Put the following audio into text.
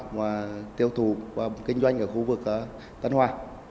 và tiêu thụ kinh doanh ở khu vực tân hòa